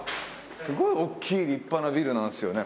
すごい大きい立派なビルなんですよね